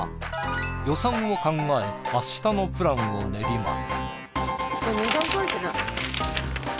予算を考え明日のプランを練ります。